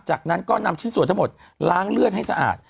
จากนั้นก็นำชิ้นส่วนทั้งหมดล้างเลือดให้สะอาด